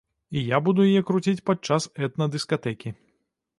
І я буду яе круціць падчас этна-дыскатэкі.